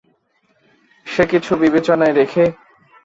সে কিছু বিবেচনায় রেখে!